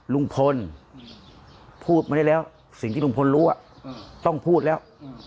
ลุงพลพูดมาได้แล้วสิ่งที่ลุงพลรู้ต้องพูดแล้ว